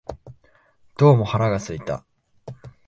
どうも腹が空いた